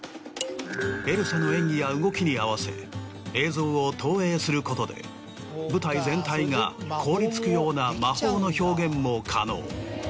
エルサの演技や動きに合わせ映像を投影することで舞台全体が凍り付くような魔法の表現も可能。